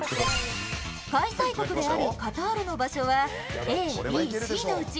開催国であるカタールの場所はＡＢＣのうちどれ？